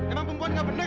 emang perempuan gak benar